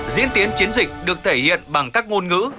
diễn tiến chiến dịch được thể hiện bằng các ngôn ngữ